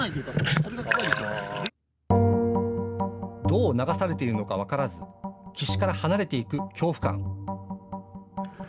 どう流されているのか分からず岸から離れていく恐怖感。